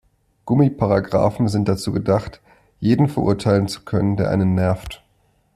Gummiparagraphen sind dazu gedacht, jeden verurteilen zu können, der einen nervt.